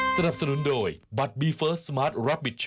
สวัสดีค่าข้าวใส่ไข่สวัสดีค่า